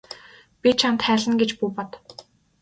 Би чамд хайлна гэж бүү бод.